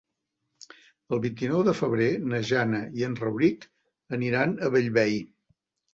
El vint-i-nou de febrer na Jana i en Rauric aniran a Bellvei.